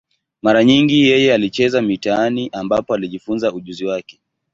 Mara nyingi yeye alicheza mitaani, ambapo alijifunza ujuzi wake.